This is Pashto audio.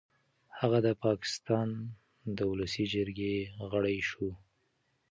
هغه د پاکستان د ولسي جرګې غړی شو.